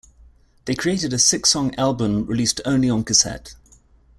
They created a six-song album released only on cassette.